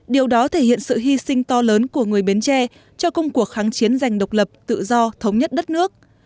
điều đó thể hiện sự hy sinh to lớn của người bến tre cho công cuộc kháng chiến dành độc lập tự do thống nhất đất nước